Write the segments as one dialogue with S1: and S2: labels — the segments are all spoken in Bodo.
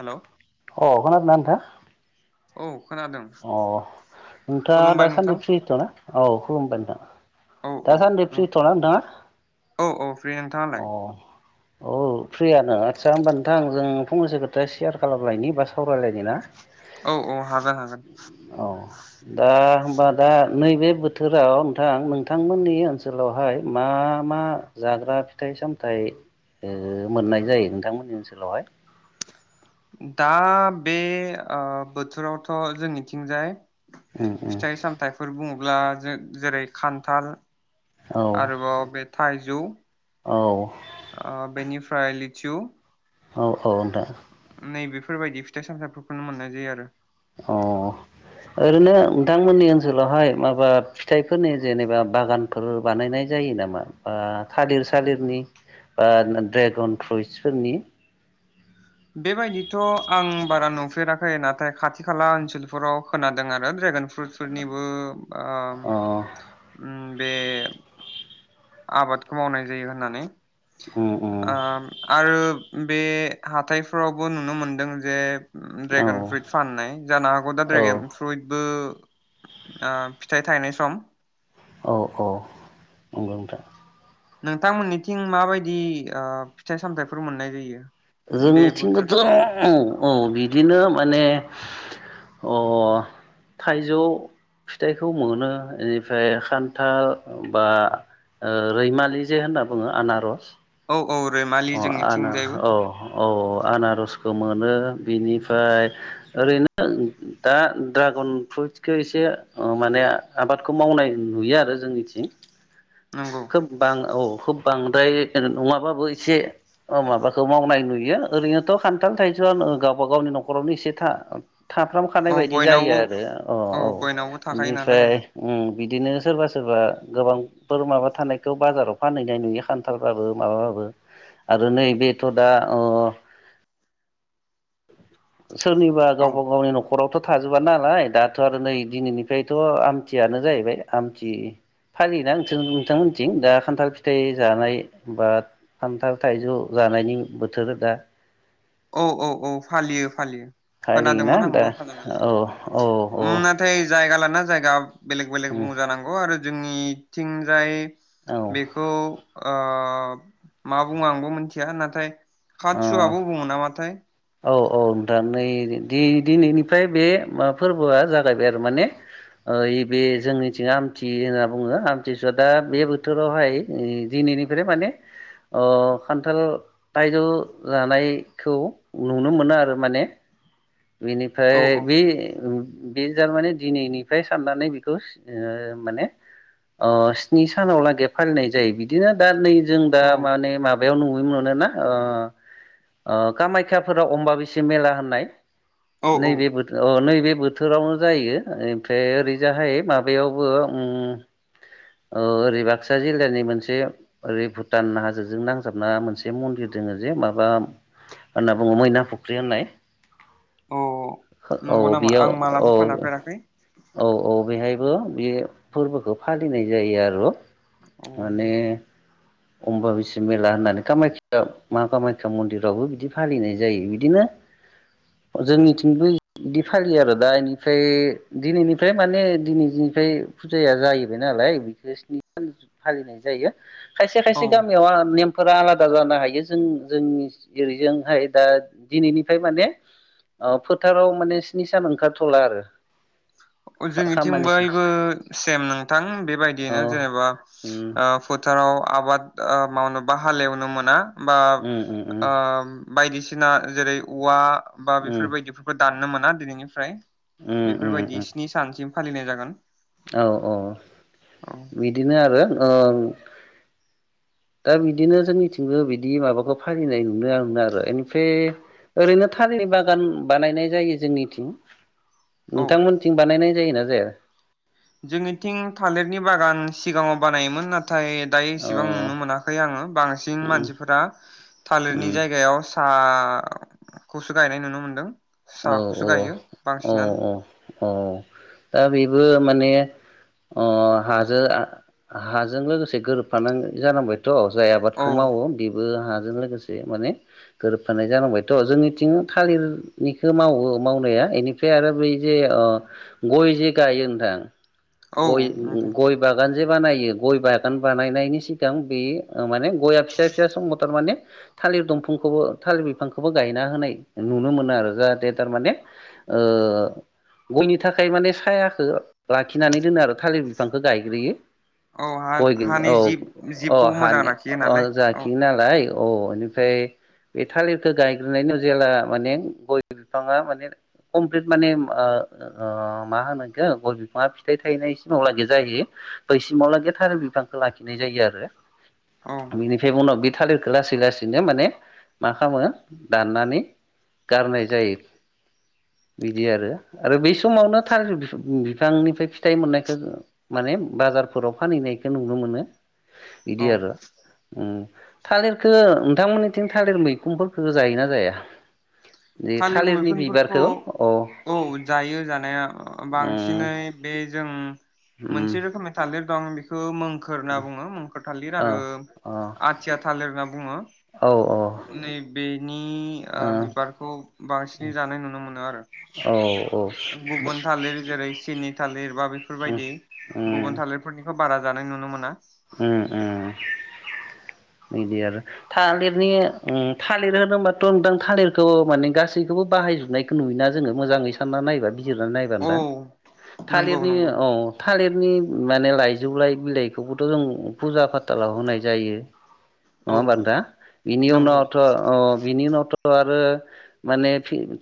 S1: हेलौ
S2: अ खोनादोंना नोंथा?
S1: औ। खोनादों
S2: अ नोंथाङा
S1: खुलुमबाय नोंथां
S2: दासान्दि फ्रिथ'ना औ। खुलुमबाय नोंथां
S1: औ औ
S2: दासान्दि फ्रिथ'ना नोंथाङा
S1: औ औ फ्रि नोंथाङालाय
S2: अ औ फ्रियानो आदसा होमबा नोंथां जों फंनैसो खोथा सेयार खालामलायनि बा सावरायलायनि ना?
S1: औ औ हागोन हागोन
S2: औ दा ओमबा दा नैबे बोथोराव नोंथां नोंथांमोननि ओनसोलावहाय मा मा जाग्रा फिथाइ-सामथाइ ओ मोननाय जायो नोंथांमोननि ओनसोलावहाय?
S1: दा बे ओ बोथोरावथ जोंनिथिंजाय
S2: उम उम
S1: फिथाइ सामथाइफोर बुङो ब्ला जों जेरै खान्थाल
S2: औ
S1: आरोबाव बे थाइजौ
S2: औ
S1: ओ बेनि फ्राय लिसु
S2: औ औ नोंथां
S1: नै बेफोरबायदि फिथाइ सामथाइफोरखौनो मोननाय जायो आरो
S2: अ ओरैनो नोंथांमोननि ओनसोलावहाय माबा फिथाइफोरनि जेनेबा बागानफोर बानायनाय जायो नामा बा थालिर-सालिरनि बा ड्रेगन फ्रुइटसफोरनि?
S1: बेबायदिथ आं बारा नुफेराखै नाथाय खाथि खाला ओनसोलफोराव खोनादों आरो ड्रेगन फ्रुइटफोरनिबो बा
S2: अ
S1: उम बे आबादखौ मावनाय जायो होननानै
S2: उम उम
S1: ओम आरो बे हाथायफोरावबो नुनो मोनदों जे
S2: औ
S1: ड्रेगन फ्रुइट फाननाय जानो हागौ दा
S2: औ
S1: ड्रेगन फ्रुइटबो ओ फिथाइ थायनाय सम
S2: औ औ नंगौ नोंथां
S1: नोंथांमोननिथिं माबायदि ओ फिथाइ-सामथाइफोर मोननाय जायो? बे बोथोर
S2: जोंनिथिंबोथ अह अह औ बिदिनो माने अ थाइजौ फिथाइखौ मोनो इनिफ्राय खान्थाल बा रैमालि जे होनना बुङो आनारस
S1: औ औ रैमालि
S2: अ आना
S1: जोंनिथिंजायबो
S2: औ औ आनारसखौ मो नो बिनिफ्राय ओरैनो दा ड्रागन फ्रुइटखौ एसे माने आबादखौ मावनाय नुयो आरो जोंनिथिं
S1: नंगौ
S2: । खोब बां औ खुब बांद्राय नङाबाबो एसे माबाखौ मावनाय नुयो ओरैनोथ खान्थाल- थाइजौवा गावबा गावनि नखरावनो एसे था- थाफ्राम खानाय
S1: औ
S2: बायदि जायो
S1: बयनावबो
S2: आरो अ औ
S1: बयनावबो थाखायो नालाय
S2: बेनिफ्राय उम बिदिनो सोरबा सोरबा गोबांफोर माबा थानायखौ बाजाराव फानहैनाय नुयो खान्थालबाबो माबाबाबो आरो नैबेथ दा अ सोरनिबा
S1: औ
S2: गावबा गावनि न- खरावथ थाजोबा नालाय दाथ आरो नै दिनैनिफ्रायथ आमथियानो जाहैबाय आमथि फालियोना नोंसोर नोंथांमोनथिं? दा खान्थाल फिथाइ जानाय बा खान्थाल थाइजौ जानायनि बोथोर दा,
S1: औ औ औ फालियो फालियो ।
S2: फालियोना
S1: खोनादोंमोन
S2: दा
S1: आंबो खोनानायालाय औ उम नाथाय जायगा ला- ना जायगा बेलेग बेलेग बुङो जानांगौ आरो जोंनि थिंजाय
S2: औ
S1: बेखौ ओ मा बुङो आंबो मिथिया नाथाय खासु
S2: औ
S1: आबु नामाथाय
S2: औ औ नोंथां नै दिनैनिफ्राय बे मा फोरबोआ जागायबाय आरो माने बे जोंनिथिं आमथि होनना बुङो आमथिसुवा दा बे बोथोरावहाय दिनैनिफ्राय माने खानथाल थायजौ जानायखौ नुनो मोनो आरो माने
S1: औ
S2: बिनिफ्राय
S1: औ
S2: बे बे तारमाने दिनैनिफ्राय साननानै बेखौ माने स्नि ओ सानाव लागै फालिनाय जायो बिदिनो दा नै जों दा
S1: औ
S2: माने माबा बेयाव नुनो मोनोना कामाख्याफोराव अमबा बैसा मेला होननाय
S1: औ औ
S2: नैबे बोथोराव अ नैबे बोथोरावनो जायो ओमफ्राय ओरैजाहाय माबायावबो ओरै बाक्सा जिल्लानि मोनसे ओरै भुटान हाजोजों नांजाबना मोनसे मन्दिर दङ जे माबा होनना बुङो मैना फुख्रि होननाय
S1: औ
S2: औ
S1: नंगौ नामा
S2: बेयाव
S1: आं
S2: औ
S1: मालाबा खोनाफेराखै
S2: औ औ बेहाय फोर बे फोरबोखौ फालिनाय जायो आरो
S1: औ
S2: माने अम्बा बासि मेला होननानै कामाख्या मा कामाख्या मन्दिरावबो बिदि फालिनाय जायो बिदिनो जोंनिथिंबो बिदि फालियो आरो दा इनिफ्राय दिनैनिफ्राय माने दिनैनिफ्राय फुजाया जाहैबाय नालाय बेखौ स्नि सान फालिनाय जायो खायसे खायसे
S1: औ
S2: गामियाव आरो नेम फोरा आलादा जानो हायो जों जोंनि ओरैजोंहाय दा दिनैनिफ्राय माने फोथाराव माने स्नि सान ओंखारथ'ला आरो
S1: जोंनिथिं
S2: खामानि
S1: हायबो सेम नोंथां
S2: औ
S1: बेबायदियैनो जेनेबा
S2: उम
S1: ओ फोथाराव आबाद मावनोबा हालेवनो मोना बा
S2: उम उम उम
S1: ओ बायदिसि- सिना जेरै औवा, बा
S2: उम
S1: बेफोरबायदिफोरखौ दाननो मोना। दिनैनिफ्राय
S2: उम उम
S1: बेफोरबायदि
S2: उम
S1: स्नि सानसिम फालिनाय जागोन।
S2: औ औ
S1: औ
S2: बिदिनो आरो ओ दा बिदिनो जोंनिथिंबो बिदि माबाखौ फालिनाय नुनो आं आरो इनिफ्राय ओरैनो थालिर बागान बानायनाय जायो जोंनिथिं।
S1: औ
S2: नोंथांमोननिथिं बानायनाय जायो ना जाया?
S1: जोंनिथिं थालिरनि बागान सिगाङाव बानायोमोन ना थाय दायो इसेबां
S2: अ
S1: नुनो मोनाखै आङो बांसिन
S2: उम
S1: मानसिफोरा थालिरनि
S2: उम
S1: जायगायाव साहा औ खौसो गायनाय नुनो मोनदों।
S2: औ
S1: साखौसो
S2: औ
S1: गायो
S2: औ
S1: बांसिनानो
S2: औ औ दा बे बेयो माने हाजो हाजों लोगोसे गोरोबफानाय जानांगौ। थ' जाय
S1: औ
S2: आबादखौ मावो बेबो हा जों लोगोसे माने गोरोबफानाय जानांबायथ' जोंनिथिं थालिर निखौ मावो मावनाया इनिफ्राय आरो बै जे गय जे गायो होनथां।
S1: औ
S2: गय
S1: नोंथां
S2: गय बागान जे बानायो गय बागान बानायनायनि सिगां बेयो माने गया फिसा फिसा समाव थारमाने थालिर दंफांखौबो थालिर बिफांखौबो गायना होनाय नुनो मोनो आरो। जाहाथे थारमाने ओ गयनि थाखाय माने सायखौ लाखिनानै दोनो आरो थालिर बिफांखौ गायग्रोयो।
S1: औ हा
S2: गयदों
S1: हानि
S2: औ
S1: जिब
S2: औ
S1: जिबखौ मोजां
S2: हानि
S1: लाखियो नालाय औ
S2: जाखियो नालाय औ इनिफ्राय बे थालिरखौ गायग्रोनायनि जेला माने गय गय बिफाङा माने कमप्लिट माने मा होनो बिखो गय बिफाङा फिथाइ थायनाय सिमाव लागै जायो बैसिमाव लागि थालिर बिफांखौ लाखिनाय जायो आरो।
S1: औ
S2: बिनिफ्राय उनाव बि थालिरखौ लासै लासैनो माने मा खालामो दाननानै गारनाय जायो। बिदि आरो आरो बै समावनो थालिर बिफांनिफ्राय फिथाइ मोननायखौ माने बाजारफोराव फानहैनायखौ नुनो मोनो। बिदि
S1: औ
S2: आरो उम थालिरखौ नोंथांमोननिथिं थालिर मैखुनफोरखौ जायोना जाया? जि
S1: थालिर
S2: थालिरनि
S1: मैखुनफोरखौ
S2: बिबारखौ अ
S1: औ जायो जानाया
S2: उम
S1: बांसिनै बै जों
S2: उम
S1: मोनसे रोखोमै थालिर दं बेखौ खोर होनना बुङो मखोर थालिर
S2: अ
S1: आरो
S2: अ
S1: आथिया थालिर होनना बुङो।
S2: औ औ ओ
S1: नै बेनि बिबार बु बांसिनै जानाय नुनो मोनो आरो
S2: औ औ
S1: गुबुन थालिर जेरै सिनि थालिर बा
S2: उम
S1: बेफोरबायदि
S2: उम
S1: गुबुन थालिरफोरनिखौ बारा जानाय नुनो मोना
S2: उम उम‌ बिदि आरो थालिरनि उम थालिर होनोबोबाथ' नोंथां थालिरखौ माने गासैखौबो बाहायजोबनायखौ नुयोना जोङो। मोजाङै सानना नायबा जिरना नायबा
S1: औ
S2: नोंथा
S1: नंगौ
S2: थालिरनि
S1: नंगौ
S2: अ थालिर माने लाइजौलाय बिलाइखौबो थ' जों फुजा फाथालाव होनाय जायो। नङा
S1: औ
S2: हीबा नोंथां बिनि
S1: नंगौ
S2: उनावथ' आं बिनि उनावथ' आरो माने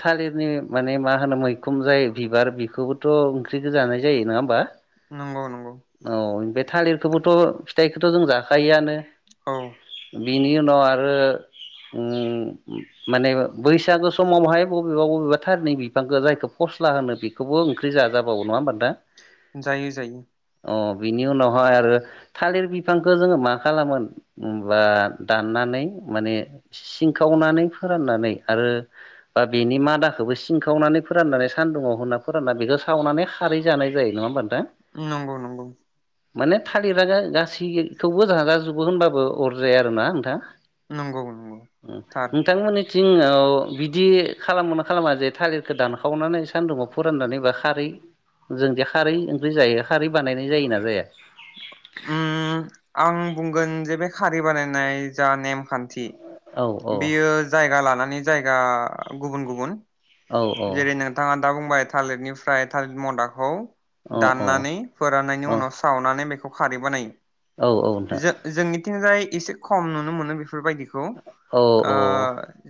S2: थालिरनि माने मा होनो मैखुन जाय बिबार बेखौबोथ' ओंख्रिखौ जानाय जायो नङा होमबा?
S1: नंगौ नंगौ
S2: औ बे थालिर खौबोथ' फिथाइखौथ' जों जाखायोआनो
S1: औ
S2: बिनि उनाव आरो माने बैसागो समावहाय बबेबा-बबेबा थालिरनि बिफांखौ जायखौ फस्ला होनो बेखौबो ओंख्रि जाजाबावो नङा होमबा नोंथां
S1: जायो जायो
S2: अ बिनि उनाव [unintelligible] थालिर बिफांखौ जोङो मा खालामो होनबा दाननानै माने सिंखावनानै फोराननानै आरो बा बेनि मादाखौबो सिंखावनानै फोराननानै सानदुुंआव होनना फोरानना बेखौ सावनानै खारै जानाय जायो। नङा होमबा नोंथां?
S1: नंगौ नंगौ।
S2: माने थालिरा गा-गासैखौबो जाजाजोबो होनबाबो अर जाया आरोना नोंथां?
S1: नंगौ नंगौ
S2: उम
S1: थार
S2: नोंथांमोननि थिं अ बिदि खालामो खालामा जे थालिरखौ दानखावनानै सान्दुङाव फोराननानै बा खारै जोंदि खारै ओंख्रि जायो खारै बानायनाय जायोना जाया?
S1: उम आं बुंगोन जे बे खारि बानायनाय जा नेमखान्थि
S2: औ औ
S1: बेयो जायगा लानानै जायगा गुबुन गुबुन।
S2: औ औ
S1: जेरै नोंथाङा दा बुंबाय थालिरनिफ्राय थालिर मदाखौ
S2: औ औ
S1: दाननानै
S2: औ
S1: फोराननायनि उनाव सावनानै बे खौ खारै बानायो।
S2: औ नोंथां
S1: जों-जोंनिथिंजाय एसे खम नुनो मोनो बे फोरबायदिखौ
S2: औ औ
S1: ओ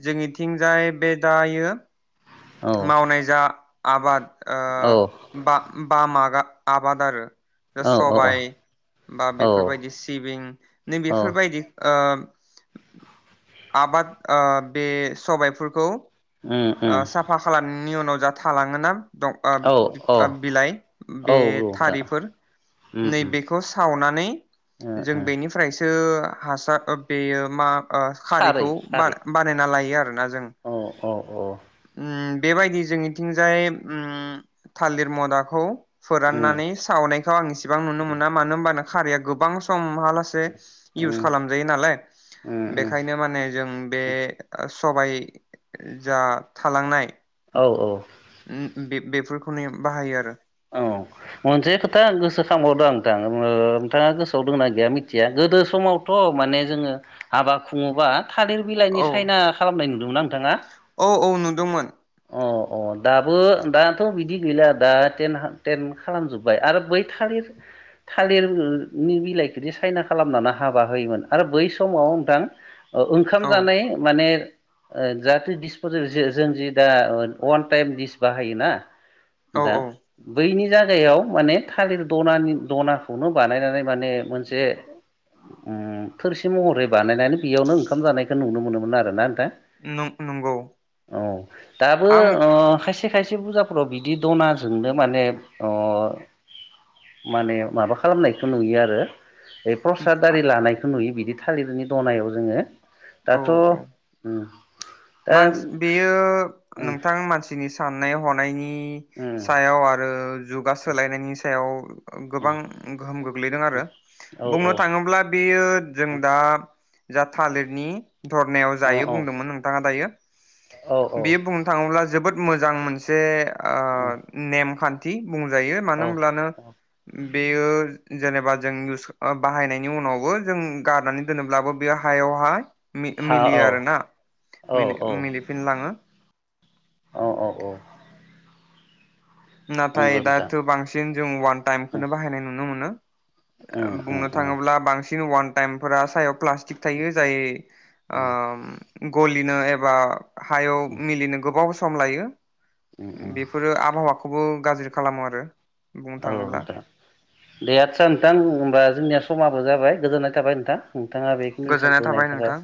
S1: जोंनि थिंजाय बे दायो
S2: औ
S1: मावनाय जा आबाद ओ बा बा मागा आबाद आरो दा
S2: औ
S1: सबाय बा
S2: औ
S1: बेफोरबायदि सिबिं नों
S2: औ
S1: बेफोरबायदि ओम आबाद ओ बे सबायफोरखौ
S2: उम उम
S1: नि उनाव जा थालाङोना दं ओ
S2: औ
S1: बि ओ
S2: औ
S1: बिलाइ
S2: औ
S1: बे
S2: नोंथां
S1: थारिफोर
S2: उम उम
S1: नैबेखौ सावना नै
S2: ओ
S1: जों
S2: ओ
S1: बेनिफ्रायसो हासार ओ बेयो मा ओ
S2: खारै
S1: खारैखौ बा
S2: खारै
S1: बानायना लायो आरो [unintelligible]
S2: औ औ औ
S1: ओम बेबायदि जोंनिथिंजाय ओम थालिर मदाखौ
S2: उम
S1: फोराननानै सावनायखौ आं इसेबां नुनो मोना मानो होनबा खारैया गोबां सम हा लासे
S2: उम
S1: इउस खालामजायो नालाय
S2: उम
S1: बेखायनो माने जों बे सबाय जा थालांनाय
S2: औ औ
S1: उम उम बे बेफोरखौनो बाहायो आरो
S2: औ मोनसे खोथा गोसोखांबावदों नोंथां ओ नोंथाङा गोसोआव दंना गैया मिथिया गोदो समावथ माने जोङो हाबा खुङोबा थालिर बिलाइनि
S1: औ
S2: सायना खालामनाय नुदोंमोन ना नोंथाङा
S1: औ औ नुदोंमोन
S2: अ अ दाबो दाथ बिदि गैला दा टेन हा टेन खालामजोब्बाय आरो बै थालिर थालिरनि बिलाइखोदि सायना खालामनानै हाबा होयोमोन आरो बै समाव नोंथां ओंखाम
S1: औ
S2: जानाय माने ओ जाहाथे दिस फोर जो जो जोंजे दा अवान टाइम दिस बाहायो ना
S1: औ
S2: दा
S1: औ
S2: बैनि जायगायाव माने थालिर दनानि दनाखौनो बानायनानै माने मोनसे थोरसि महरै बानायनानै बेयावनो ओंखाम जानायखौ नुनो मोनोमोन आरो ना नोंथां
S1: नं नंगौ
S2: औ दाबो
S1: आं
S2: अ खायसे खायसे पुजाफोराव बिदि दना जोंल माने ओ माने माबा खालामनायखो नुयो आरो प्रसाद आरि लानायखौ नुयो बिदि बे थालिरनि दनायाव जोङो दाथ उम दा
S1: मानस बेयो
S2: उम
S1: नोंथां मानसिनि साननाय हनाय नायनि
S2: उम
S1: सायाव आरो जुगा सोलायनायनि सायाव
S2: उम
S1: गोबां गोहोम गो ग्लैदों आरो।
S2: औ
S1: बुंनो
S2: औ
S1: थाङोब्ला बेयो जों
S2: अ
S1: दा जा थालेदनि धरनायाव
S2: औ
S1: जायो बुंदोंमोन नों दायो।
S2: औ
S1: बे बुंनो थाङोब्ला थोबोद मोजां मोनसे
S2: औ
S1: ओ नेमखान थि बुंजायो। मानो
S2: औ
S1: होनब्लानो
S2: औ
S1: बेयो जेनेबा जों इउस बाहायनायनि उनावबो जों गारनानै दोनोब्लाबो बे हायावहा
S2: हा
S1: मि-मिलियो
S2: औ
S1: आरोना।
S2: औ औ
S1: मिलि-मिलिफिनलाङो।
S2: औ औ औ।
S1: नाथाय
S2: नंगौ नोंथां
S1: दाथ' बांसिन जों अवान
S2: उम
S1: टाइमखोनो बाहायनाय नुनो मोनो।
S2: उम उम
S1: बुंनो थाङोब्ला बांसि न अवान टाइमफोरा सायाव प्लास्टिक थायो जाय
S2: उम
S1: ओम गलि नो एबा हायाव मिलिनो गोबाव सम लायो।
S2: उम उम
S1: बेफोरो आबहावा खौ गाज्रि खालामो आरो। बुंनो
S2: औ
S1: थाङोब्ला
S2: नोंथां। दे आटचा नोंथां होमबा जोंनिया समाबो जाबाय गोजोननाय थाबाय नोंथां। नोंथाङा बेखिनि
S1: गोजोननाय
S2: समखौ
S1: थाबाय
S2: होनायनि थाखाय।
S1: नोंथां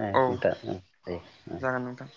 S2: दे
S1: औ
S2: नोंथां उम दे।
S1: जागोन नोंथां